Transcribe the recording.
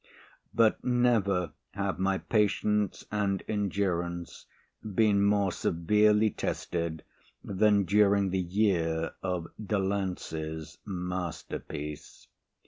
But never have my patience and endurance been more severely tested than during the year of Delancey's masterpiece.